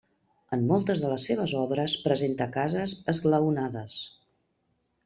En moltes de les seves obres presenta cases esglaonades.